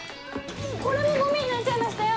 もうこれもゴミになっちゃいましたよ！